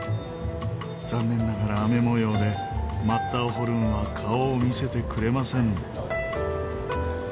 残念ながら雨模様でマッターホルンは顔を見せてくれません。